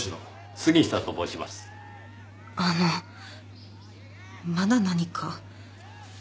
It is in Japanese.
あのまだ何か？